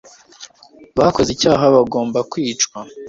bakoze icyaha bagomba kwicwa